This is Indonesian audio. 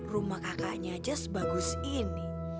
rumah kakaknya aja sebagus ini